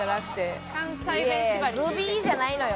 「グビッ！じゃないのよ」